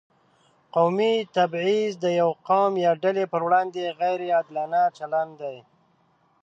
قومي تبعیض د یو قوم یا ډلې پر وړاندې غیر عادلانه چلند دی.